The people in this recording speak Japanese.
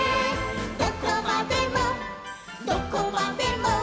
「どこまでもどこまでも」